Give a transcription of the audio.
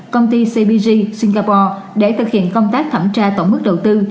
công ty cbg singapore để thực hiện công tác thẩm tra tổng mức đầu tư